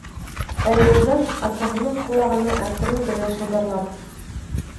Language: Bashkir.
Ә Юлдаш, атаһының ҡолағына әкрен генә шыбырлап: